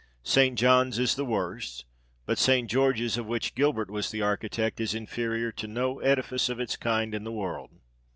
St. John's is the worst ; but St. George's, of which Gilbert was the architect, is inferior to no edifice of its kind in the world.